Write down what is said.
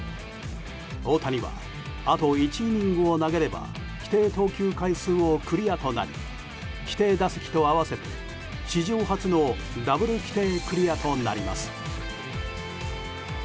大谷はあと１イニングを投げれば規定投球回をクリアとなり規定打席と合わせて史上初のダブル規定クリアとなります。